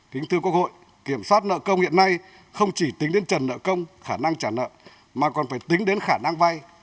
kính thưa quốc hội kiểm soát nợ công hiện nay không chỉ tính đến trần nợ công khả năng trả nợ mà còn phải tính đến khả năng vay